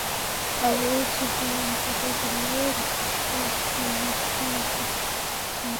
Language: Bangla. আবু সুফিয়ান চলে গেলে রাসূলুল্লাহ সাল্লাল্লাহু আলাইহি ওয়াসাল্লাম অধিক হারে সৈন্য সমাবেশের নির্দেশ দেন।